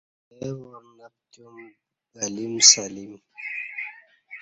لے وار نہ پتیوم گلیم سلیم